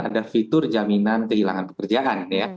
ada fitur jaminan kehilangan pekerjaan ya